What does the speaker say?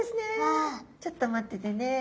ちょっと待っててね。